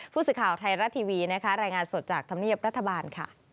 รายงานสดจากธรรมเนียบรัฐบาล